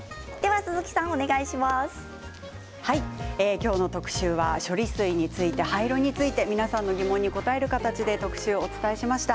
今日の特集は処理水について、廃炉について皆さんの疑問に答える形でお伝えしました。